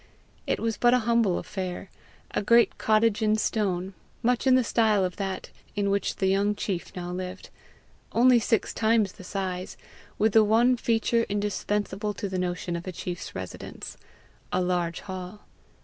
It was but a humble affair a great cottage in stone, much in the style of that in which the young chief now lived only six times the size, with the one feature indispensable to the notion of a chief's residence, a large hall.